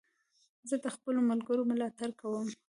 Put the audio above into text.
زه د خپلو ملګرو ملاتړ کوم.